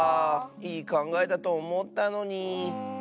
いいかんがえだとおもったのに。